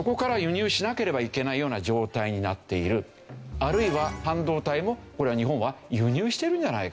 あるいは半導体もこれは日本は輸入してるじゃないか。